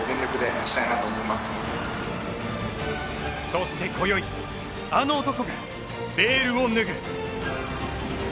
そして今宵、あの男がベールを脱ぐ。